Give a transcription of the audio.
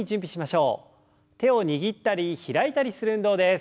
手を握ったり開いたりする運動です。